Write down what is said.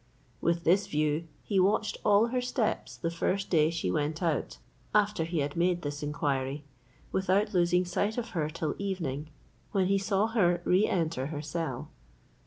With this view he watched all her steps the first day she went out after he had made this inquiry, without losing sight of her till evening, when he saw her re enter her cell.